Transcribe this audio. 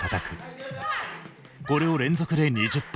これを連続で２０本。